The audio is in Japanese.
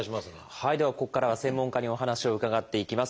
ではここからは専門家にお話を伺っていきます。